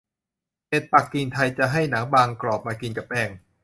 เป็ดปักกิ่งไทยจะให้หนังบางกรอบมากินกับแป้ง